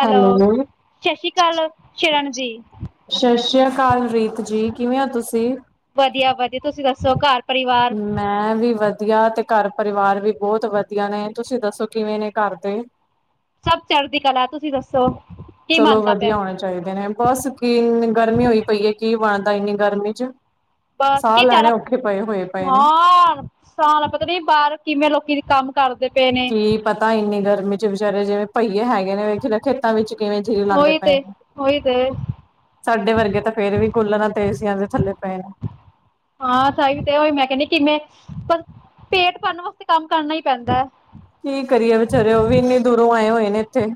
Hello ਸਤਿ ਸ੍ਰੀ ਅਕਾਲ ਸ਼ਰਨ ਜੀ। ਸਤਿ ਸ੍ਰੀ ਅਕਾਲ ਰੀਤ ਜੀ, ਕਿਵੇਂ ਹੋ ਤੁਸੀਂ। ਵਧੀਆ ਵਧੀਆ ਤੁਸੀਂ ਦੱਸੋ ਘਰ ਪਰਿਵਾਰ ਮੈਂ ਵੀ ਵਧੀਆ ਤੇ ਘਰ ਪਰਿਵਾਰ ਵੀ ਬਹੁਤ ਵਧੀਆ ਨੇ, ਤੁਸੀਂ ਦੱਸੋ ਕਿਵੇਂ ਨੇ ਘਰ ਦੇ। ਸਭ ਚੜ੍ਹਦੀ ਕਲਾ ਤੁਸੀਂ ਦੱਸੋ। ਕੀ ਚਲੋ ਬਣਦਾ ਪਿਆ ਵਧੀਆ ਹੋਣੇ ਚਾਹੀਦੇ ਨੇ, ਬਸ ਕੀਨੀ ਗਰਮੀ ਹੋਈ ਪਈ ਹੈ ਕੀ ਬਣਦਾ ਇੰਨੀ ਗਰਮੀ ਚ। ਬਸ ਸਾਹ ਕੀ ਚਾਰ ਲੈਣੇ ਔਖੇ ਪਏ ਹੋਏ ਪਏ ਨੇ। ਹ। ਸਾਰਾ ਪਤਾ ਨੀ ਬਾਹਰ ਕਿਵੇਂ ਲੋਕੀ ਦੇ ਕੰਮ ਕਰਦੇ ਪਏ ਨੇ। ਕੀ ਪਤਾ ਇੰਨੀ ਗਰਮੀ ਚ ਵਿਚਾਰੇ ਜਿਵੇਂ ਪਹੀਏ ਹੈਗੇ ਨੇ ਵੇਖੇੇ ਵਿੱਚ ਕਿਵੇਂ ਜੀਰੇ ਲਾਨਦੇ ਉਹੀ ਪਏ ਤੇ ਨੇ। ਉਹੀ ਤੇ ਸਾਡੇ ਵਰਗੇ ਤਾਂ ਫੇਰ ਵੀ ਕੂਲਰਾਂ ਤੇ ਏਸੀਆ ਦੇ ਥੱਲੇ ਪਏ ਨੇ। ਹਾਂ ਸਾਈ ਤੇ ਉਹੀ ਮੈਂ ਕਹਿੰਦੀਆਂ ਕਿਨੇ ਪਰ ਪੇਟ ਭਰਨ ਵਾਸਤੇ ਕੰਮ ਕਰਨਾ ਹੀ ਪੈਂਦਾ ਹੈ। ਕੀ ਕਰੀਏ ਵਿਚਚਾਰੇ ਉਹ ਵੀ ਇੰਨੇ ਦੂਰੋਂ ਆਏ ਹੋਏ ਨੇ ਇੱਥੇ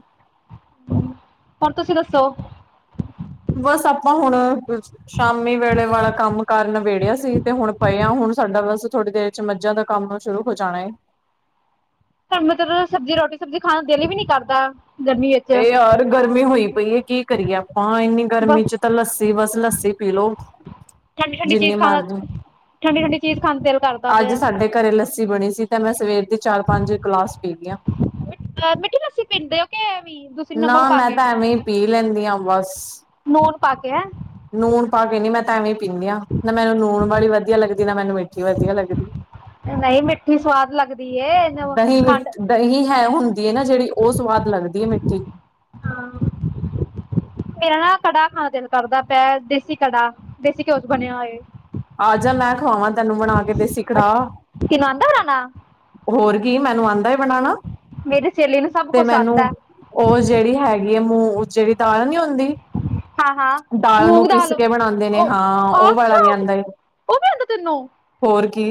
ਹੋਰ ਤੁਸੀਂ ਦੱਸੋ। ਬਸ ਆਪਾਂ ਹੁਣ ਸ਼ਾਮੀ ਵੇਲੇ ਵਾਲਾ ਕੰਮ ਕਾਰ ਨਬੇੜਿਆ ਸੀ, ਤੇ ਹੁਣ ਪਏ ਆ ਹੁਣ ਸਾਡਾ ਬਸ ਥੋੜ੍ਹੀ ਦੇਰ ਚ ਮੱਝਾਂ ਦਾ ਕੰਮ ਸ਼ੁਰੂ ਹੋ ਜਾਣਾ ਏ ਸਾਨੂੰ ਮਤਲਬ ਸਬਜ਼ੀ ਰੋਟੀ ਸਬਜ਼ੀ ਖਾਣ ਨੂੰ ਦਿਲ ਵੀ ਨੀ ਕਰਦਾ, ਗਰਮੀ ਵਿੱਚ ਇਹ ਯਾਰ ਗਰਮੀ ਹੋਈ ਪਈ ਏ ਕੀ ਕਰੀਏ ਆਪਾਂ, ਇੰਨੀ ਗਰਮੀ ਚ ਤਾਂ ਲੱਸੀ ਬਸ ਲੱਸੀ ਪੀ ਲਓ। ਠੰਡੀ-ਠੰਡੀ ਚੀਜ਼ ਖਾਣ, ਠੰਡੀ-ਠੰਡੀ ਚੀਜ਼ ਖਾਣ ਦਾ ਦਿਲ ਕਰਦਾ ਅੱਜ ਪਿਆ ਸਾਡੇ ਘਰੇ ਲੱਸੀ ਬਣੀ ਸੀ, ਤੇ ਮੈਂ ਸਵੇਰ ਦੀ ਚਾਰ ਪੰਜ ਗਲਾਸ ਪੀ ਗੀਆ। ਮਿੱਠੀ ਲੱਸੀ ਪੀਂਦੇ ਹੋ, ਕਿ ਏਵੀ ਨਾ ਮੈਂ ਤਾਂ ਐਵੇਂ ਹੀ ਪੀ ਲੈਂਦੀ ਹਾਂ ਬਸ। ਨੂਨ ਪਾ ਕੇ ਹੈ। ਨੂਣ ਪਾ ਕੇ ਨੀ ਮੈਂ ਤਾਂ ਐਵੇਂ ਪੀਂਨੀ ਆ ਨਾ ਮੈਨੂੰ ਨੂਣ ਵਾਲੀ ਵਧੀਆ ਲੱਗਦੀ, ਨਾ ਮੈਨੂੰ ਮਿੱਠੀ ਵਧੀਆ ਲੱਗਦੀ। ਨਈ ਮਿੱਠੀ ਸਵਾਦ ਲੱਗਦੀ ਏ, ਨਮਕ ਦਹੀਂ ਖੰਡ ਮਿੱਠ ਦਹੀਂ ਹੈਂ ਹੁੰਦੀ ਹੈ ਨਾ ਜਿਹੜੀ, ਉਹ ਸਵਾਦ ਲੱਗਦੀ ਹੈ ਮਿੱਠੀ ਹਾਂ ਮੇਰਾ ਨਾ ਕੜਾ ਖਾਣਾ ਦਿਲ ਕਰਦਾ ਪਿਆ ਏ, ਦੇਸੀ ਕੜਾ ਦੇਸੀ ਘਿਓ ਚ ਬਣਿਆ ਹੋਏ। ਆ ਜਾ ਮੈਂ ਖਵਾਵਾਂ ਤੈਨੂੰ ਬਣਾ ਕੇ ਦੇਸੀ ਕੜਾਹ। ਤੈਨੂੰ ਆਂਦਾ ਬਣਾਣਾ ਹੋਰ ਕੀ ਮੈਨੂੰ ਆਂਦਾ ਏ ਬਣਾਣਾ। ਮੇਰੀ ਸਹੇਲੀ ਨੂੰ ਸਭ ਕੁਛ ਆਦਾ ਹੈ। ਉਹ ਜਿਹੜੀ ਹੈਗੀ ਹੈ ਮੂੰਹ, ਜਿਹੜੀ ਤਾਰ ਨੀ ਹੋਂਦੀ ਹਾਂ ਹਾਂ ਦਾਲ ਮੂੰਗ ਨੂੰ ਪਿਸ ਕੇ ਬਣਾਉਂਦੇ ਨੇ ਉਹ ਹਾਂ, ਉਹ ਵਾਲਾ ਅੱਛਾ ਵੀ ਆਉਂਦਾ ਏ। ਉਹ ਵੀ ਆਂਦਾ ਤੈਨੂੰ ਹੋਰ ਕੀ,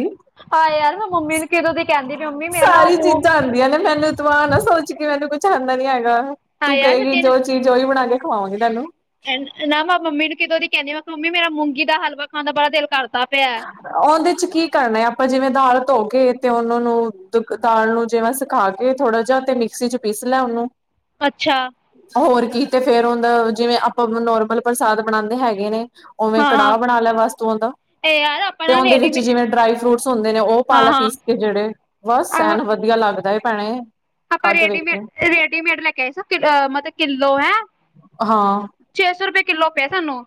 ਹਾਂ ਯਾਰ ਮੈਂ ਮੰਮੀ ਨੂੰ ਕਿਦੋਂ ਦੀ ਕਹਿੰਦੀ ਪਈ ਮੰਮੀ ਮੇਰਾ ਨਾ ਸਾਰੀ ਮੂੰਹ ਚੀਜ਼ਾਂ ਆਉਂਦੀਆਂ ਨੇ ਮੈਨੂੰ ਤੂੰ ਆ ਨਾ ਸੋਚ ਕੇ ਮੈਨੂੰ ਕੁੱਛ ਆਉਂਦਾ ਨੀ ਹੈਗਾ, ਹਾਂ ਤੂੰ ਯਾਰ ਕਹੇਗੀ ਸਚਿਨ ਜੋ ਚੀਜ਼ ਉਹੀ ਬਣਾ ਕੇ ਖਵਾਵਾਂਗੀ ਤੈਨੂੰ। ਨਾ ਮੈਂ ਮੰਮੀ ਨੂੰ ਕਿਦੋਂ ਨੀ ਕਹਿੰਦੀ ਆ, ਮੈਂ ਕਿਹਾ ਮੰਮੀ ਮੇਰਾ ਮੂੰਗੀ ਦਾ ਹਲਵਾ ਖਾਣ ਦਾ ਬੜਾ ਦਿਲ ਕਰਦਾ ਪਿਆ। ਉਹਦੇ ਚ ਕੀ ਕਰਨਾ ਹੈ ਆਪਾਂ, ਜਿਵੇਂ ਦਾਲ ਧੋ ਕੇ ਤੇ ਉਹਨਾਂ ਨੂੰ ਦਾਲ ਨੂੰ ਜਿਵੇਂ ਸੁਖਾ ਕੇ ਇਹ ਥੋੜਾ ਜਿਹਾ ਤੇ ਮਿਕਸੀ ਚ ਪੀਸ ਲੈ ਉਹਨੂੰ ਅੱਛਾ ਹੋਰ ਕੀ ਤੇ ਫੇਰ ਹੁਨ ਜਿਵੇਂ ਆਪਾਂ ਨੋਰਮਲ ਪ੍ਰਸਾਦ ਬਣਾਉਂਦੇ ਹੈਗੇ ਨੇ ਉਵੇਂ ਕੜਾਹ ਬਣਾ ਲੈ ਬਸ ਤੂੰ ਉਂਦਾ ਏ ਯਾਰ ਤੇ ਨਾ ਉਹਦੇ ਵਿੱਚ ਰੇਡੀਮੇਡ ਜਿਵੇਂ ਡਰਾਈ ਫਰੂਟਸ ਹੁੰਦੇ ਨੇ ਉਹ ਹਾਂ ਪਾਲਾ ਹਾਂ ਪੀਸ ਕੇ ਜਿਹੜੇ ਬਸ ਆਹ ਐਨ ਵਧ ਵਧੀਆ ਲੱਗਦਾ ਏ ਭੈਣੇ ਖਾ ਆਪਾਂ ਕੇ ਰੇਡੀਮੇਡ ਵੇਖੀ ਰੇਡੀਮੇਡ ਲੈ ਕੇ ਆਏ ਸ ਕਿ ਮਤਲਬ ਕਿੱਲੋ ਹੈ ਹਾਂ ਛੇ ਸੌ ਰੁਪਏ ਕਿੱਲੋ ਪਏ ਸਾਨੂੰ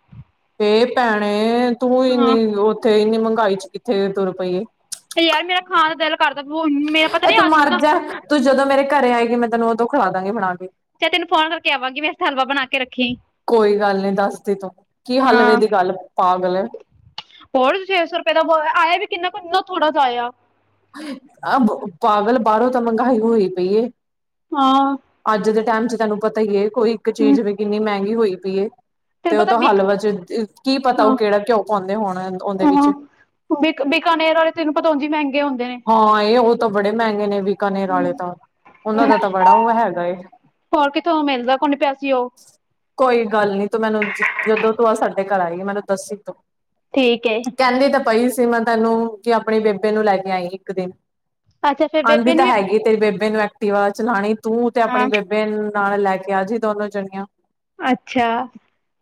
ਤੇ ਭੈਣੇ ਤੂੰ ਹਾਂ ਇੰਨੀ ਉੱਥੇ ਇੰਨੀ ਮਹਿੰਗਾਈ ਚ ਕਿੱਥੇ ਤੁਰ ਪਈ। ਤੇ ਯਾਰ ਮੇਰਾ ਖਾਣ ਦਾ ਦਿਲ ਕਰਦਾ ਮੇਰਾ ਪਤਾ ਇਹ ਨੀ ਤੂੰ ਅੱਜ ਮਰ ਇਨਾ ਜਾ ਤੂੰ ਜਦੋਂ ਮੇਰੇ ਘਰੇ ਆਏਗੀ ਮੈਂ ਤੈਨੂੰ ਉਦੋਂ ਖਲਾ ਦਾਂਗੀ ਬਣਾ ਕੇ ਚਲ ਤੈਨੂੰ ਫੋਨ ਕਰਕੇ ਆਵਾਂਗੀ ਮੈਂ ਇਕ ਹਲਵਾ ਬਣਾ ਕੇ ਰੱਖੀ ਕੋਈ ਗੱਲ ਨੀ ਦੱਸਦੀ ਤੂੰ ਕੀ ਹਾਂ ਹਲਵੇ ਦੀ ਗੱਲ ਪਾਗਲ ਹੋਰ ਛੇ ਸੌ ਰੁਪਏ ਦਾ ਬ ਆਇਆ ਵੀ ਕਿੰਨਾ ਕੁੰ ਥੋੜ੍ਹਾ ਜਿਆ ਆਇਆ ਆ ਪਾਗਲ ਬਾਹਰੋਂ ਤਾਂ ਮਹਿੰਗਾਈ ਹੋਈ ਪਈ ਏ ਹਾਂ ਅੱਜ ਦੇ ਟਾਈਮ ਚ ਤੈਨੂੰ ਪਤਾ ਹੀ ਹੈ ਕੋਈ ਇੱਕ ਹਮ ਚੀਜ਼ ਵੀ ਕਿੰਨੀ ਮਹਿੰਗੀ ਹੋਈ ਪਈ ਏ ਤੇ ਤੈਨੂੰ ਉਹ ਪਤਾ ਤੋਂ ਬਿਕ ਹਲਵੇ ਚ ਕੀ ਪਤਾ ਉਹ ਕਿਹੜਾ ਘਿਉ ਪਾਉਂਦੇ ਹੋਣ ਉਹਦੇ ਵਿੱਚ। ਹ ਬ ਬਿਕਾਨੇਰ ਵਾਲੇ ਤੈਨੂੰ ਪਤਾ ਉੰਝ ਈ ਮਹਿੰਗੇ ਹੁੰਦੇ ਨੇ ਹਾਂ, ਉਹ ਤਾਂ ਬੜੇ ਮਹਿੰਗੇ ਨੇ ਬੀਕਾਨੇਰ ਵਾਲੇ ਤਾਂ ਉਹਨਾਂ ਦਾ ਤਾਂ ਬੜਾ ਉਹ ਹੈਗਾ ਏ। ਹੋਰ ਕਿੱਥੋਂ ਮਿਲਦਾ ਕੋਨਹੀ ਪਿਆ ਸੀ ਉਹ। ਕੋਈ ਗੱਲ ਨੀ, ਤੂੰ ਮੈਨੂੰ ਜਦੋਂ ਤੂੰ ਆਹ ਸਾਡੇ ਘਰ ਆਈ ਮੈਨੂੰ ਦੱਸੀ ਤੂੰ। ਠੀਕ ਏ। ਕਹਿੰਦੀ ਤਾਂ ਪਈ ਸੀ ਮੈਂ ਤੈਨੂੰ, ਕਿ ਆਪਣੇ ਬੇਬੇ ਨੂੰ ਲੈ ਕੇ ਆਈ ਇੱਕ ਦਿਨ। ਅੱਛਾ ਫੇਰ ਆਉਂਦੀ ਬੇਬੇ ਨੂੰ ਤਾਂ ਵੀ ਹੈਗੀ ਤੇਰੀ ਬੇਬੇ ਨੂੰ ਐਕਟਿਵਾ ਚਲਾਉਣੀ, ਤੂੰ ਤੇ ਆਪਣੀ ਹਾਂ ਬੇਬ ਬੇ ਨਾਲ ਲੈ ਕੇ ਆ ਜੀ ਦੋਨੋ ਜਣੀਆਂ। ਅੱਛਾ।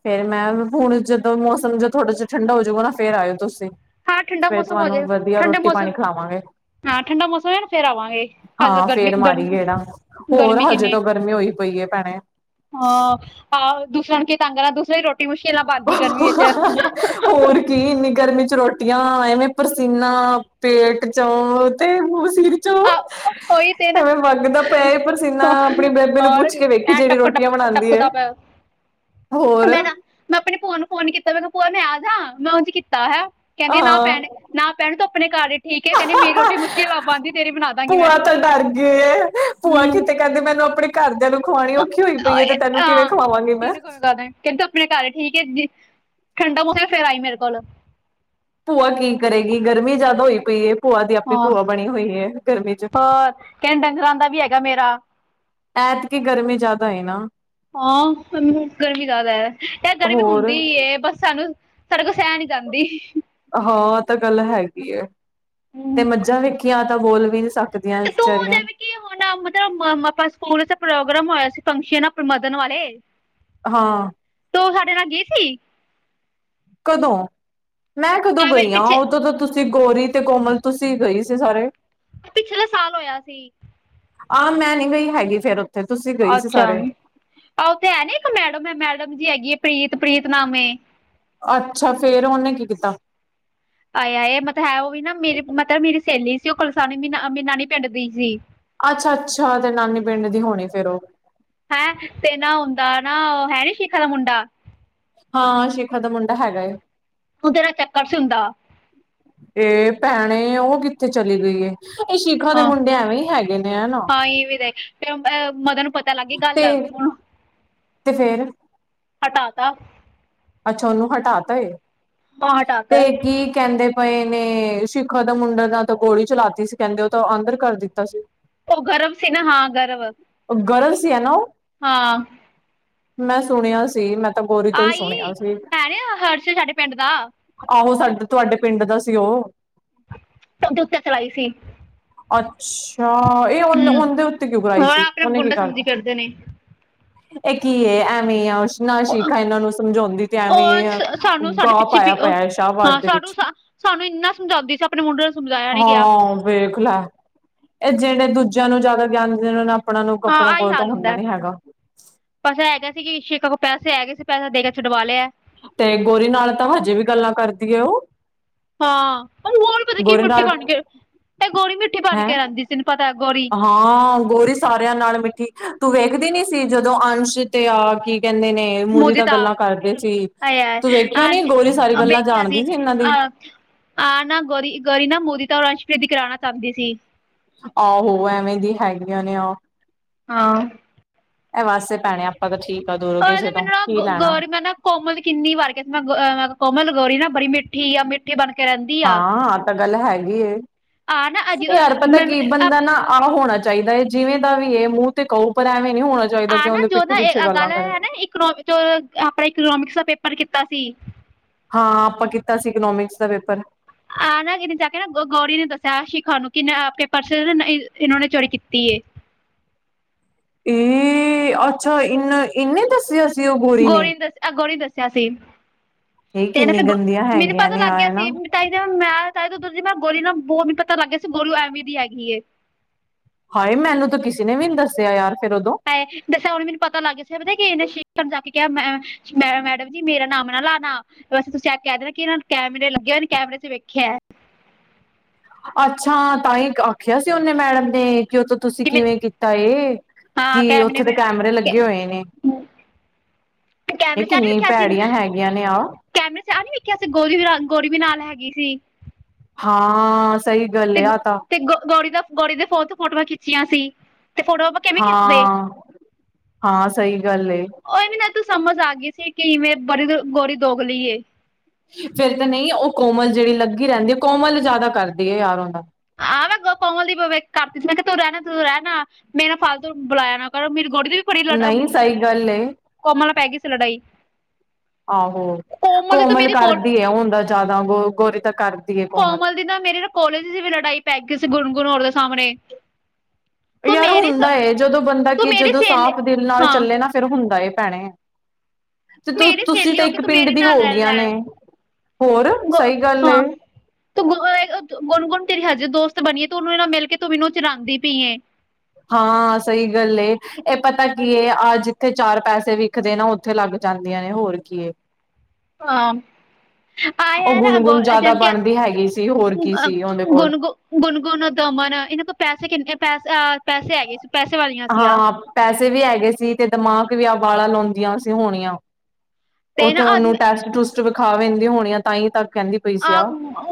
ਫੇਰ, ਮੈਂ ਹੁਣ ਜਦੋਂ ਮੌਸਮ ਜੋਂ ਥੋੜ੍ਹਾ ਜਿਹਾ ਠੰਡਾ ਹੋਜੂਗਾ ਨਾ ਫੇਰ ਆਇਓ ਤੁਸੀਂ। ਹਾਂ ਠੰਡਾ ਫੇਰ, ਮੌਸਮ ਹੋ ਤੁਹਾਨੂੰ ਜਾਏ ਵਧੀਆ ਠੰਡੇ ਰੋਟੀ ਮੌਸਮ ਪਾਣੀ ਖਿਲਾਵਾਂਗੇ। ਹਾਂ, ਠੰਡਾ ਮੌਸਮ ਹੈ ਫੇਰ ਆਵਾਂਗੇ। ਅਜ ਹਾਂ ਗਰਮੀ ਫੇਰ ਮਾਰੀ ਗੇੜਾ -ਗਰਮੀ- ਹੋਰ ਗਰਮੀ ਹਜੇ ਕਿੰਨੀ, ਤੋਂ ਗਰਮੀ ਹੋਈ ਪਈ ਹੈ ਭੈਣੇ ਹਾਂ। ਹਾਂ ਦੂਸਰੇ ਨੂੰ ਕੀ ਤੰਗ ਕਰਨਾ, ਦੂਸਰੇ ਰੋਟੀ ਮੁਸ਼ਕਿਲ ਨਾਲ ਬਣਦੀ ਗਰਮੀ ਵਿੱਚ। ਹੋਰ ਕੀ ਇੰਨੀ ਗਰਮੀ ਚ ਰੋਟੀਆਂ, ਐਵੇਂ ਪਸੀਨਾ, ਪੇਟ ਚੋਂ ਤੇ ਵਸੀਰ। ਆ। ਉਹੀ ਤੇ ਨਾ, ਪਿਆ ਪਰਸੀਨਾ ਆਪਣੀ ਬੇਬੇ ਨੂੰ ਹੋਰ ਪੁੱਛ ਕੇ ਵੇਖੀ ਐ ਜਿਹੜੀ ਟਪ- ਰੋਟੀਆਂ ਟਪ ਬਣਾਉਂਦੀ ਹੈ ਟਪਦਾ ਪਿਆ। ਹੋਰ ਮੈਂ ਤਾਂ ਮੈਂ ਆਪਣੀ ਭੂਆ ਨੂੰ ਫੋਨ ਕੀਤਾ, ਮੈਂ ਕਿਹਾ ਭੂਆ ਮੈਂ ਆਜਾਂ, ਮੈਂ ਉਂਜ ਕੀਤਾ ਹੈਂ। ਕਹਿੰਦੀ ਨਾ ਹਾਂ ਭੈਣ ਨਾਭੈਣ ਤੂੰ ਆਪਣੇ ਘਰ ਹੀ ਠੀਕ ਏਂ ਕਹਿੰਦੀ ਮੇਰੀ ਰੋਟੀ ਮੁਸ਼ਕਿਲ ਆੱ ਪਾਉਂਦੀ। ਭੂਆ ਤਾਂ ਡਰ ਗਈ ਏ ਭੂਆ ਹਮ ਕਿਤੇ ਕਹਿੰਦੀ ਮੈਨੂੰ ਆਪਣੇ ਘਰਦਿਆਂ ਨੂੰ ਖਵਾਉਣੀ ਔਖੀ ਹੋਈ ਪਈੇ ਏ, ਤੇ ਤੈਨੂੰ ਕਿਵੇਂ ਖਵਾਵਾਂਗੀ ਮੈਂ। ਕਹਿੰਦਾ [unintelligible] ਆਪਣੇ ਘਰ ਹੀ ਠੀਕ ਹੈ ਜੀ, ਠੰਡਾ ਮੋਸਮ ਫੇਰ ਆਈ ਮੇਰੇ ਕੋਲ। ਭੂਆ ਕੀ ਕਰੇਗੀ? ਗਰਮੀ ਜਿਆਦਾ ਹੋਈ ਪਈ ਏ। ਭੂਆ ਦੀ ਆਪਣੀ ਹਾਂ ਭੂਆ ਬਣੀ ਹੋਈ ਏ ਗਰਮੀ ਚ। ਹੋਰ ਕਹਿੰਦੇ ਡੰਗਰਾਂ ਦਾ ਵੀ ਹੈਗਾ ਮੇਰਾ ਐਤ ਕੇ ਗਰਮੀ ਜ਼ਿਆਦਾ ਹੈ ਨਾ। ਹਾਂ, ਗਰਮੀ ਜ਼ਿਆਦਾ ਹੈ, ਇਹ ਗਰਮੀ ਹੋਰ ਹੁੰਦੀ ਹੀ ਏ ਬਸ ਸਾਨੂੰ ਸਾਡੇ ਕੋਲ ਸਹਿ ਨੀ ਜਾਂਦੀ। ਹਾਂ, ਤਾਂ ਗੱਲ ਹੈਗੀ ਏ, ਤੇ ਮੱਝਾਂ ਵੇਖੀਆਂ ਤਾਂ ਬੋਲ ਵੀ ਨਹੀਂ ਸਕਦੀਆਂ ਤੂੰ ਵਿਚਾਰੀਆਂ। ਜਿਵੇਂ ਕਿ ਹੁਣ ਮਤਲਬ ਆਪਾਂ ਸਕੂਲ ਚ ਪ੍ਰੋਗਰਾਮ ਹੋਇਆ ਸੀ ਫੰਕਸ਼ਨ ਮਦਨ ਵਾਲੇ। ਹਾਂ। ਤੋ, ਉਹ ਸਾਡੇ ਨਾਲ ਗਈ ਥੀ? ਕਦੋਂ? ਮੈਂ ਕਦੋਂ ਆ ਗਈ ਹਾਂ? ਪਿੱਛੇ ਉਦੋਂ ਤਾਂ ਤੁਸੀਂ, ਗੋਰੀ ਤੇ ਕੋਮਲ ਤੁਸੀਂ ਗਏ ਸੀ ਸਾਰੇ। ਪਿਛਲੇ ਸਾਲ ਹੋਇਆ ਸੀ। ਆਹ, ਮੈਂ ਨੀ ਗਈ ਹੈਗੀ ਫੇਰ ਤੁਸੀਂ ਗਈ ਸੀ ਅੱਛਾ, ਸਾਰੇ ਆ ਉੱਥੇ ਹੈ ਨੀ ਇੱਕ ਮੈਡਮ ਹੈ, ਮੈਡਮ ਜੀ ਹੈਗੀ ਹੈ ਪ੍ਰੀਤ-ਪ੍ਰੀਤ ਨਾਮ ਏ। ਅੱਛਾ, ਫੇਰ ਉਹਨੇ ਕੀ ਕੀਤਾ? ਆਇ-ਆਇ, ਇਹ ਮਤਲਬ ਹੈ ਉਹ ਵੀ ਨਾ ਮੇਰੀ ਮਤਲਬ ਮੇਰੀ ਸਹੇਲੀ ਸੀ, ਉਹ ਕੁਲਸਾਨੀ ਮਨਾਨੀ ਪਿੰਡ ਦੀ ਸੀ। ਅੱਛਾ-ਅੱਛਾ ਤੇ ਨਾਨੀ ਪਿੰਡ ਦੀ ਹੋਣੀ ਫੇਰ ਉਹ। ਹੈਂ, ਤੇ ਨਾ ਹੁੰਦਾ ਨਾ ਓਹ ਹੈ ਨੀ ਸ਼ਿਖਾ ਦਾ ਮੁੰਡਾ? ਹਾਂ, ਸ਼ੀਖਾ ਦਾ ਮੁੰਡਾ ਹੈਗਾ ਏ। ਉਹਦੇ ਨਾਲ ਚੱਕਰ ਸੀ ਉਂਦਾ। ਇਹ ਭੈਣੇ ਉਹ ਕਿੱਥੇ ਚਲੀ ਗਈਏ? ਇਹ ਸ਼ੀਖਾ ਦੇ ਮੁੰਡੇ ਐਵੇਂ ਹੀ ਹੈਗੇ ਨੇ ਹਨਾ। ਆਂਈ ਵੀਰੇ ਤੇ ਓ ਮਦਰ ਨੂੰ ਪਤਾ ਲੱਗ ਗੀ ਤੇ ਗੱਲ। ਤੇ ਫੇਰ ਹਟਾ ਤਾ। ਅੱਛਾ, ਉਨੂੰ ਹਟਾ ਤਾ ਏ ਹਾਂ ਹਟਾ ਤਾ ਤੇ ਕੀ ਕੈਂਦੇ ਪਏ ਨੇ ਸ਼ੀਖਾ ਦਾ ਮੁੰਡਾ ਦਾ ਤਾਂ ਗੋਲੀ ਚਲਾਤੀ ਸੀ, ਕੈਂਦੇ ਓ ਤਾਂ ਆਂਦਰ ਕਰ ਦਿੱਤਾ ਸੀ। ਓ ਗਰਵ ਸੀ ਨਾ ਹਾਂ ਗਰਵ। ਗਰਵ ਸੀ ਹੈਨਾ ਓ? ਹਾਂ। ਮੈਂ ਸੁਣਿਆ ਸੀ ਮੈਂ ਤਾਂ ਗੋਰੀ ਤੋਂ ਈ ਸੁਣਿਆ ਆਈ ਸੀ ਹੈ ਨਾ ਹਰਸ਼ ਸਾਡੇ ਪਿੰਡ ਦਾ ਆਹੋ ਸਾਡੇ ਤੁਆਡੇ ਪਿੰਡ ਦਾ ਸੀ ਓ। ਕ ਦੋ ਟਕਰਾਈ ਸੀ? ਅੱਛਾ, ਏ ਓਂ ਹੂੰ ਓੰਦੇ ਉੱਤੇ ਕਿਉਂ ਕਰਾਈ ਹੋਰ ਸੀ ਆਪਣੇ ਆਪ ਓਨੇ ਕੀ ਗੁੰਡਾ ਕਰ ਸਮਝੀ ਤਾ? ਫਿਰਦੇ ਨੇ ਐ ਕੀ ਏ? ਐਵੇ ਈ ਅਸ਼ ਨਾ ਸ਼ੀਖਾ ਇਨਾਂ ਨੂੰ ਸਮਜਾਉਂਦੀ ਤੇ ਐਵੇਂ ਉਹ ਈ ਸ ਸਾਨੂੰ ਸਾਡੇ ਗਾਹ ਪਿੱਛੇ ਪਾਇਆ ਪੀ ਅ ਪਇਆ ਹਾਂ ਸ਼ਾਹਬਾਦ ਦੇ ਸਾਨੂੰ ਵਿੱਚ। ਸਾਨੂੰ ਇੰਨਾ ਸਮਜਾਂਦੀ ਸੀ ਆਪਣੇ ਮੁੰਡੇ ਨੂੰ ਸਮਝਾਇਆ ਨੀ ਗਿਆ। ਹਾਂ ਵੇਖ ਲੈ, ਐ ਜੇੜੇ ਦੂਜਿਆਂ ਨੂੰ ਜਿਆਦਾ ਗਿਆਨ ਦੇਂਦੇ ਨਾ ਓਨਾ ਨੂੰ ਅਪ ਓਨਾ ਨੂੰ ਕੱਪੜਾ ਕੋਲ ਤਾਂ ਹੁੰਦਾ ਨੀ ਹੈਗਾ। ਬਸ ਐ ਹੈਗਾ ਸੀ ਕਿ ਸ਼ੀਖਾ ਕੋਲ ਪੈਸੇ ਹੈਗੇ ਸੀ ਤੇ ਪੈਸਾ ਦੇ ਕੇ ਛਡਵਾ ਲਿਆ। ਤੇ ਗੋਰੀ ਨਾਲ ਤਾਂ ਹਜੇ ਵੀ ਗੱਲਾਂ ਕਰਦੀ ਐ ਉਹ। ਹਾਂ, ਹੋਰ ਪਤਾ ਕੀ ਗੋਰੀ ਮਿੱਠੀ ਨਾਲ ਬਣ ਕੇ, ਤੇ ਗੋਰੀ ਮਿੱਠੀ ਬਣ ਹੈਂ ਕੇ ਰੈਂਦੀ ਸੀ ਤੈਨੂੰ ਪਤਾ ਏ ਗੋਰੀ। [inaudible] ਹਾਂ ਗੋਰੀ ਸਾਰਿਆਂ ਨਾਲ ਮਿੱਠੀ, ਤੂੰ ਵੇਖਦੀ ਨੀ ਸੀ ਜਦੋਂ ਅੰਸ਼ ਤੇ ਆ ਕੀ ਕੈਂਦੇ ਨੇ ਮੂਵੀ ਦਾ ਮੁਦਿਤਾ ਗੱਲਾਂ ਕਰਦੇ ਸੀ ਆਏ ਹਾਏ ਤੂੰ ਵੇਖਿਆ ਨੀ ਆਂਜ ਗੋਰੀ ਸਾਰੀ ਗੱਲਾਂ ਵੇਖਿਆ ਜਾਣਦੀ ਸੀ ਇਨਾਂ ਦੀ। ਅ ਆ ਨਾ ਗੋਰੀ, ਗੋਰੀ ਨਾ ਮੁਦਿਤ ਔਰ ਅੰਸ਼ ਪਰੀਤੀ ਕਰਾਣਾ ਚਾਂਦੀ ਸੀ। ਆਹੋ, ਐਵੇਂ ਦੀ ਹੈਗੀਆਂ ਨੇ ਆ। ਹਾਂ ਅ ਵਸ ਏ ਭੈਣੇ ਆਪਾਂ ਤਾਂ ਠੀਕ ਆ ਦੂਰੋ ਉਹ ਕਿਸੇ ਤੋਂ ਮੈਨੂੰ ਨਾ ਕੀ ਲੈਣਾ। ਗੋਰੀ ਮੈਂ ਨਾ ਕੋਮਲ ਕਿੰਨੀ ਵਾਰ ਕੈਂਦੀ, ਮੈ ਅ ਕੋਮਲ ਗੋਰੀ ਨਾ ਬੜੀ ਮਿੱਠੀ ਆ ਮ ਮਿੱਠੀ ਬਨ ਕੇ ਰੈਂਦੀ ਹਾਂ, ਐ ਤਾਂ ਗੱਲ ਹੈਗੀ ਏ ਆ ਨਾ ਜਦੋਂ ਯਾਰ ਪਤਾ ਕੀ ਬੰਦਾ ਨਾ ਹੋਣਾ ਚਾਈਦਾ ਐ ਜਿਵੇਂ ਦਾ ਵੀ ਏ ਮੂੰਹ ਤੇ ਕਓ ਪਰ ਐਵੇਂ ਨੀ ਹੋਣਾ ਚਾਇਦਾ। ਆ ਨਾ ਜੋ ਨਾ ਏ ਅ ਗੱਲ ਹੈ ਨਾ ਇਕਨੋ ਆਪਣੇ ਇਕਨੋਮਿਕਸ ਦਾ ਪੇਪਰ ਕੀਤਾ ਸੀ? ਹਾਂ, ਆਪਾਂ ਕੀਤਾ ਸੀ ਇਕਨੋਮਿਕਸ ਦਾ ਪੇਪਰ। ਆ ਨਾ ਇਨੇ ਜਾ ਕੇ ਨਾ ਗੋਰੀ ਨੇ ਦੱਸਿਆ ਸ਼ੀਖਾ ਨੂੰ ਕਿ ਆਪਕੇ ਪਰਸ'ਚ ਇਨੋ ਨੇ ਚੋਰੀ ਕੀਤੀ ਏ। ਇ ਅੱਛਾ ਇਨਾ ਇਨੇ ਦੱਸਿਆ ਸੀ ਗੋਰੀ ਨੇ ਦਸੇਆ ਐ ਗੋਰੀ ਦਸੇਆ ਸੀ ਇਹ ਤੇ ਕਿੰਨੀ ਫੇਰ ਗੰਦੀਆਂ ਮੈਨੂੰ ਹੈਗੀਆਂ ਪਤਾ ਨੇ ਲਗ ਗੇਆ ਆ ਨਾ ਸੀ। [unintelligible] ਤਾਂ ਈ ਤੇ ਹੁਣ ਮੈ ਤਾਈਂ ਤੇ ਤੁਸੀਂ ਨਾ ਗੌਰੀ ਨਾ ਬੌ ਪਤਾ ਲੱਗ ਗਿਆ ਸੀ ਗੌਰੀ ਐਂਵੇ ਦੀ ਹੈਗੀ ਏ। ਹਾਏ ਮੈਨੂੰ ਤਾ ਕਿਸੇ ਨੇ ਵੀ ਨੀ ਦਸੇਆ ਯਾਰ ਫੇਰ ਓਦੋਂ। [unintelligible] ਮੈ ਦੱਸਾਂ ਹੁਣ ਮੈਨੂੰ ਪਤਾ ਲੱਗ ਗਿਆ ਸੀ ਕਿ ਏਨੇ ਸ਼ੀਖਾ ਨੂੰ ਜਾ ਕੇ ਕੇਆ ਕਿ ਮੈ ਮੈਡਮ ਜੀ ਮੇਰਾ ਨਾਮ ਨਾ ਲਾਨਾ ਵੈਸੇ ਤੁਸੀ ਐ ਕੈ ਦੇਣਾ ਕਿ ਇਨਾਂ ਨੂੰ ਕੈਮਰੇ ਲੱਗੇ ਹੋਏ ਨ ਕੈਮਰੇ ਚ ਵੇਖੇਐ। ਅੱਛਾ, ਤਾਂਈ ਆਖੇਆ ਸੀ ਓਨੇ ਮੈੜਮ ਨੇ ਕਿ ਓ ਤੁਸੀ ਕਿ ਕਿਵੇਂ ਕੀਤਾ ਏ, ਹਾਂ ਕਿ ਕੈਮਰੇ ਓਥੇ ਤੇ ਮੇ ਕੈਮਰੇ ਲੱਗੇ ਹੋਏ ਨੇ। ਏ ਕੈਮਰੇ ਚ ਆ ਨੀ ਕਿੰਨੀ ਵੇਖਿਆ ਸੀ ਭੈੜੀਆਂ ਹੈਗੀਆਂ ਨੇ ਆ ਕੈਮਰੇ ਚ ਆ ਨੀ ਵੇਖੇਆ ਸੀ, ਗੋਰੀ ਵੀ ਨਾਲ-ਗੋਰੀ ਵੀ ਨਾਲ ਹੈਗੀ ਸੀ। ਹਾਂ, ਸਈ ਗਲ ਤੇ ਏ ਆ ਤਾਂ। ਤੇ ਗੋ ਗੋਰੀ ਦਾ ਗੋਰੀ ਦੇ ਫੋਨ ਤੋਂ ਫੋਟੋਆਂ ਖਿੱਚੀਆਂ ਸੀ, ਤੇ ਫੋਟੋਆਂ ਹਾਂ-ਹਾਂ ਸਹੀ ਗੱਲ ਏ। ਓ ਵੀ ਨਾ ਏਥੋਂ ਸਮਝ ਆ ਗਈ ਸੀ ਕਿ ਗੋਰੀ ਦੋਗਲੀ ਏ। ਫੇਰ ਤੇ ਨਹੀਂ ਉਹ ਕੋਮਲ ਜਿਹੜੀ ਲੱਗੀ ਰਹਿੰਦੀ ਕੋਮਲ ਜਿਆਦਾ ਕਰਦੀ ਹੈ ਯਾਰ ਉਹਦਾ। ਆ ਮੈਂ ਕਮਲ ਦੀਖ ਕਰਤੀ ਸੀ ਮੈਂ ਕਿਹਾ ਤੂੰ ਰਹਿਣਾ ਤੂੰ ਰਹਿਣਾ। ਮੇ ਨਾਲ ਫਾਲਤੂ ਬੁਲਾਇਆ ਨਾ ਕਰੋ ਮੇਰੀ ਗੋੜ ਦੇ ਵੀ ਬੜੀ ਲੜ ਨਹੀਂ ਸਹੀ ਗੱਲ ਏ ਕੋਮਲ ਪੈ ਗਈ ਸੀ ਲੜਾਈ। ਆਹੋ ਦੀ ਤਾਂ ਕੋਮਲ ਮੇਰੇ ਕੋਲ ਕਰਦੀ ਹੈ ਹੁੰਦਾ ਜ਼ਿਆਦਾ ਗੋ ਗੋਰੀ ਤਾਂ ਕਰਦੀ ਹੈ ਕੋਮਲ ਜਦਾਂ ਮੇਰੇ ਨਾ ਕੋਲੇਜ ਦੀ ਵੀ ਲੜਾਈ ਪੈ ਗਈ ਸੀ ਗੁਣਗੁਣ ਹੋ ਦੇ ਸਾਹਮਣੇ। ਤੂੰ ਯਾਰ ਮੇਰੇ ਹੁੰਦਾ ਜਦੋਂ ਬੰਦਾ ਤੂੰ ਕਿ ਮੇਰੀ ਜਦੋਂ ਸਹੇਲੀ ਸਾਫ਼ ਦਿਲ ਨਾਲ ਹਾਂ ਚੱਲੇ ਤੂੰ ਨਾ ਫੇਰ ਹੁੰਦਾ ਏ ਭੈਣੇ। ਤੇ ਮੇਰੀ ਤੁਸੀਂ ਸਹੇਲੀ ਤਾਂ ਹੋ ਕੇ ਇੱਕ ਤੂੰ ਪਿੰਡ ਮੇਰੇ ਦੀ ਹੋ ਨਾਲ ਰਹਿ ਗਈਆਂ ਨੇ ਰਹਿ ਹੋਰ ਗ ਸਹੀ ਗੱਲ ਏ। ਹਾਂ ਤੂੰ ਗੁਣ ਗੁਣ ਗੁਣ ਤੇਰੀ ਹਜੇ ਦੋਸਤ ਬਣੀਏ ਤੇ ਉਹਨੂੰ ਇਹ ਨਾਲ ਮਿਲ ਕੇ ਤੂੰ ਮੈਨੂੰ ਚਰਾਉਂਦੀ ਪਈ ਏ। ਹਾਂ ਸਹੀ ਗੱਲ ਏ ਇਹ ਪਤਾ ਕੀ ਹੈ ਆਹ ਜਿੱਥੇ ਚਾਰ ਪੈਸੇ ਵਿਖਦੇ ਨਾ ਉੱਥੇ ਲੱਗ ਜਾਂਦੀਆਂ ਨੇ ਹੋਰ ਕੀ ਏ। ਹਾਂ। ਆਹ ਉਹ ਯਾਰ ਗੁਣਗੁਣ ਗ ਜ਼ਿਆਦਾ ਜਮ ਕੇ ਬਣਦੀ ਹੈਗੀ ਸੀ ਹੋਰ ਕੀ ਸੀ ਉਹਦੇ ਕੋਲ ਗੁਣਗੁਣ ਗੁਣਗੁਣ ਦਮਨ ਇਹਨਾਂ ਕੋਲ ਪੈਸੇ ਕਿੰਨੇ ਪੈਸ ਪੈਸੇ ਹੈਗੇ ਸੀ। ਪੈਸੇ ਵਾਲੀਆਂ। ਸੀਗਾ ਹਾਂ ਪੈਸੇ ਵੀ ਹੈਗੇ ਸੀ ਤੇ ਦਿਮਾਗ ਵੀ ਆ ਵਾਲਾ ਲਾਉਂਦੀਆਂ ਸੀ ਹੋਣੀਆਂ। ਤੇ ਨਾ ਉੱਥੇ ਆਦਮ ਉਹਨੂੰ ਟੈਸਟ ਟੂਸਟ ਵਿਖਾਦੀ ਹੋਣੀਆਂ ਤਾਂ ਹੀ ਤੱਕ ਕਹਿੰਦੀ ਪਈ ਸੀ ਆ।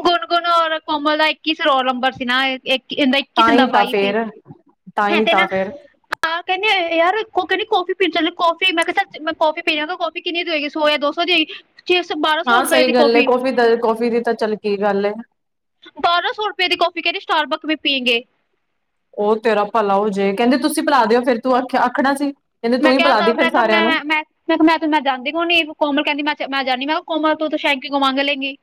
ਗੁਣਗੁਣ ਔਰਕੋਮਲ ਦਾ ਇੱਕੀ ਰੋਲ ਨੰਬਰ ਸੀ ਨਾ ਇਕ। ਇੱਕੀ ਤਾਂ ਕਿਸੀ ਹੀ ਦਾ ਤਾਂ ਬਾਈ ਸੀ ਫੇਰ ਤਾਂ ਹੈ ਹੀ ਤੇ ਤਾਂ ਨਾ ਫੇਰ ਹਾਂ ਕਹਿੰਦੇ ਯਾਰ ਕਹਿੰਦੀ ਕਾਫੀ ਪੀਣ ਚੱਲ ਕਾਫੀ ਮੈਂ ਕਿਹਾ ਕੋਫੀ ਪਹਿਲ ਤਾਂ ਕੋਫੀ ਕਿੰਨੀ ਦੀ ਹੋ ਹੈਗੀ ਸੌ ਜਾਂ ਦੋ ਸੌ ਦੀ ਹੈਗੀ। ਜਿਸ ਹਾਂ ਸਹੀ ਗੱਲ ਏ ਕੌਫੀ ਦਾ ਕੌਫੀ ਦੀ ਤਾਂ ਚੱਲ ਕੀ ਗੱਲ ਏ। ਬਾਰਾਂ ਸੌ ਰੁਪਏ ਦੀ ਕੋਫੀ ਕਹਿੰਦੀ ਸਟਾਰਬਕ ਵੀ ਪੀਂਏਗੇ। ਉਹ ਤੇਰਾ ਭਲਾ ਹੋ ਜਾਏ ਕਹਿੰਦੇ ਤੁਸੀਂ ਪਿਲਾ ਦਿਓ ਫਿਰ ਤੂੰ ਆਖਣਾ ਸੀ ਕਹਿੰਦੇ ਮੈਂ ਤੂੰ ਹੀ ਕਿਹਾ ਪਿਲਾ ਤਾਂ ਦੀ ਮੈਂ ਫਿਰ ਕਿਹਾ ਮੈਂ ਸਾਰਿਆਂ ਨੂੰ। ਮੈਂ ਕਿਹਾ ਮੈਂ ਤੂੰ ਮੈਂ ਜਾਂਦੀ ਕ ਹੋਣੀ ਕੋਮਲ ਕਹਿੰਦੀ ਮੈਂ ਮੈਂ ਜਾਂਦੀ ਕਿਹਾ ਕੋਮਲ ਤੂੰ ਸ਼ੈਂਕੂ ਮੰਗ ਲੈਂਗੀ।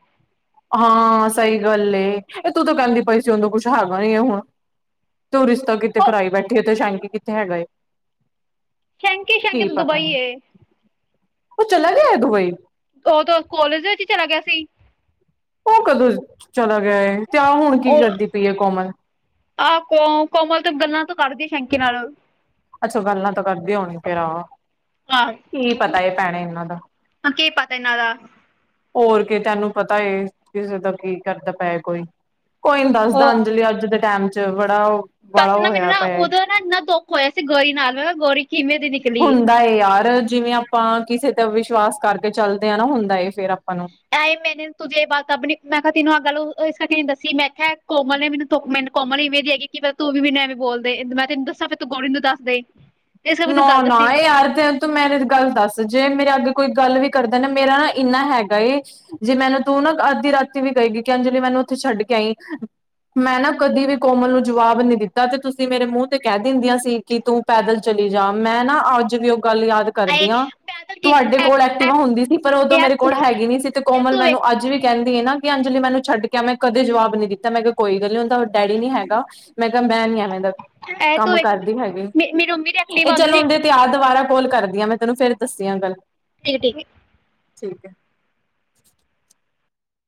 ਹਾਂ ਸਹੀ ਗੱਲ ਏ, ਇਹ ਤੂੰ ਤਾਂ ਕਹਿੰਦੀ ਓੋਹਦੋ ਕੁਛ ਹੈਗਾ ਨੀ ਹੁਣ ਤੂੰ ਰਿਸ਼ਤਾ ਕਿਤੇ ਉਹ ਕਰਵਾਈ ਬੈਠੇ ਤੇ ਸ਼ਾਂਕੀ ਕਿਥੇ ਹੈਗਾ ਏ। ਸ਼ੈਂਕੀ ਸ਼ੈਂਕੀ ਕੀ ਤਾਂ ਪਤਾ ਦੁਬਈ ਹੈ ਏ ਉਹ ਚਲਾ ਗਿਆ ਦੁਬਈ। ਉਦੋਂ ਕੋਲੇਜ ਵਿੱਚ ਹੀ ਚਲਾ ਗਿਆ ਸੀ। ਉਹ ਕਦੋਂ ਚਲਾ ਗਿਆ ਹੈ ਤੇ ਆ ਹੁਣ ਕੀ ਉਹ ਕਰਦੀ ਪਈ ਹੈ ਕੋਮਲ। ਆਹ ਕੋ ਕੋਮਲ ਤੇ ਗੱਲਾਂ ਤੋਂ ਕਰਦੀ ਸ਼ੈਂਕੇ ਨਾਲ। ਅੱਛਾ ਗੱਲਾਂ ਤਾਂ ਕਰਦੀ ਹੋਣੀ ਫੇਰ ਆਹ ਆਹ ਕੀ ਪਤਾ ਭੈਣੇ ਇਹਨਾਂ ਦਾ। ਕੀ ਪਤਾ ਇਹਨਾਂ ਦਾ। ਹੋਰ ਕੀ ਤੈਨੂੰ ਪਤਾ ਕਿਸੇ ਦਾ ਕੀ ਕਰਦਾ ਪਿਆ ਕੋਈ। ਕੋਈ ਨੀ ਦੱਸਦਾ ਉਹ ਅੰਜਲੀ ਅੱਜ ਦੇ ਟਾਈਮ ਚ ਬੜਾ ਉਹ ਬੈਸੇ ਨਾ ਮੈਨੂੰ ਨਾ ਉਹਦੋ ਨਾ ਇੰਨਾ ਦੁੱਖ ਹੋਇਆ ਸੀ ਗੋਰੀ ਨਾਲ ਮੈਂ ਗੋਰੀ ਕਿਵੇਂ ਦੀ ਨ ਹੁੰਦਾ ਏ ਯਾਰ ਜਿਵੇਂ ਆਪਾਂ ਕਿਸੇ ਤੇ ਵਿਸ਼ਵਾਸ ਕਰਕੇ ਚੱਲਦੇ ਹਾਂ ਨਾ ਹੁੰਦਾ ਫੇਰ ਆਪਾਂ ਨੂੰ। ਐ ਮੈਨੂੰ ਤੁੂੰ ਇਹ ਬਾਤ ਨੀ ਮੈਂ ਕਿਹਾ ਤੈਨੂੰ ਅੱਗੱਲ ਇਸ ਕਰਕੇੀ ਦੱਸੀ ਮੈਂ ਕਿਹਾ ਕੋਮਲ ਨੇ ਮੈਨੂੰ ਤ ਮੈਨੂੰ ਕੋਮਨ ਇਵੇਂ ਜ ਹੈਗੀ ਕਿ ਤੂੰ ਵੀ ਨਵੇਂ ਬੋਲਦੇ ਮੈਂ ਤੈਨੂੰ ਦੱਸਾਂ ਫੇਰ ਤੂੰ ਗੋਰੀ ਨੂੰ ਦੱਸ ਦੇ। ਇਸ ਕਰਕੇ ਤੈਨੂੰ ਗੱਲ ਨਾ ਨਾ ਦੱਸੀ ਇਹ ਆਰ ਤੇ ਤ ਮੈਨ ਗੱਲ ਦੱਸ ਜੇ ਮੇਰੇ ਅੱਗੇ ਕੋਈ ਗੱਲ ਵੀ ਕਰਦਾ ਨਾ ਮੇਰਾ ਨਾ ਇੰਨਾ ਹੈਗਾ ਏ ਜੇ ਮੈਨੂੰ ਤੂੰ ਨਾ ਅੱਧੀ ਰਾਤੀ ਵੀ ਕਹੇਗੀਈ ਕਿ ਅੰਜਲੀ ਮੈਨੂੰ ਉੱਥੇ ਛੱਡ ਕੇ ਆਈ ਮੈਂ ਨਾ ਕਦੀ ਵੀ ਕੋਮਲ ਨੂੰ ਜਵਾਬ ਨ ਦਿੱਤਾ ਤੇ ਤੁਸੀਂ ਮੇਰੇ ਮੂੰਹ ਤੇ ਕਹਿ ਦਿੰਦੀਆਂ ਸੀ ਕਿ ਤੂੰ ਪੈਦਲ ਚਲੀ ਜਾ ਮੈਂ ਨਾ ਅੱਜ ਵੀ ਉਹ ਗੱਲ ਯਾਦ ਹਾਏ ਕਰਦੀਆਂਾਂ ਪੈਦਲ ਕੀ ਤੁਹਾਡੇ ਐ ਕੋਲ ਐ ਐਕਟੀਵਾ ਹੁੰਦੀ ਸੀ ਪਰ ਉਦੋਂ ਮੇਰੇ ਯਾਰ ਕੋਲ ਹੈਗੀ ਨੀ ਸੀ ਤੇ ਯਾਰ ਕੋਮਲ ਤੂੰ ਮੈਨੂੰ ਵੇਖ ਅੱਜ ਵੀ ਕਹਿੰਦੀ ਹੈ ਨਾ ਕਿ ਅੰਜਲੀ ਮੈਨੂੰ ਛੱਡ ਕੇ ਮੈਂ ਕਦੇ ਜਵਾਬ ਨੀ ਦਿੱਤਾ ਮੈਂ ਕਿਹਾ ਕੋਈ ਗੱਲ ਨੀ ਹੁੰਦਾ ਡੈਡੀ ਨੀ ਹੈਗਾ ਮੈਂ ਕਿਹਾ ਮੈਂ ਨ ਐਵੇ ਦਾ ਕੰਮ ਕਰਦੀ ਹੈਗੀ ਨਿਰੰਮੀ ਇਹ ਚਲ ਓਂਦੇ ਤੇ ਆਹ ਦੁਬਾਰਾ ਕੋਲ ਕਰਦੀ ਹਾਂ ਮੈਂ ਤੈਨੂੰ ਫੇਰ ਦੱਸ ਆ ਗੱਲ ਠੀ ਠੀਕ ਠੀਕ ਹੈ